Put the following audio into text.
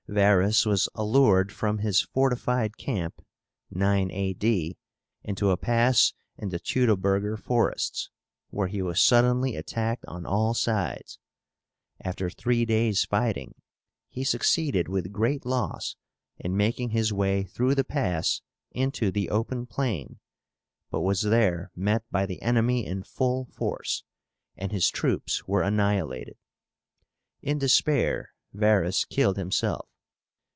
Varus was allured from his fortified camp (9 A.D.) into a pass in the Teutoberger Forests, where he was suddenly attacked on all sides. After three days' fighting, he succeeded with great loss in making his way through the pass into the open plain, but was there met by the enemy in full force, and his troops were annihilated. In despair Varus killed himself.